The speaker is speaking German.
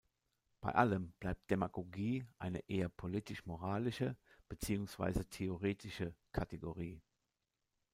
Bei allem bleibt Demagogie eine eher politisch-moralische, beziehungsweise theoretische Kategorie.